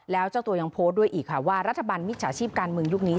แล้วเจ้าตัวยังโพสต์ด้วยอีกค่ะว่ารัฐบาลมิจฉาชีพการเมืองยุคนี้